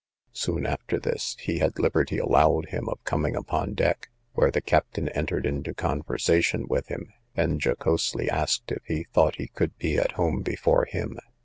Soon after this, he had liberty allowed him of coming upon deck, where the captain entered into conversation with him, and jocosely asked if he thought he could be at home before him.